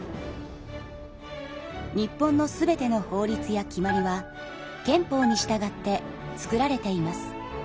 日本の全ての法律や決まりは憲法に従って作られています。